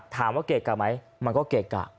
ถามว่าเกะกะไหมมันก็เกะกะ